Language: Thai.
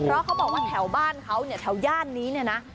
เพราะเขาบอกว่าแถวบ้านเขาเนี่ยแถวย่านนี้เนี่ยนะ